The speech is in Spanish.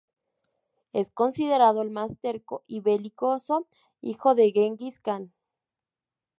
Es considerado el más terco y belicoso hijo de Gengis Kan.